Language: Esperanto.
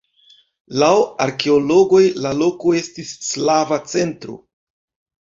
Laŭ arkeologoj la loko estis slava centro.